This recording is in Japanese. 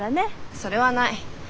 それはない。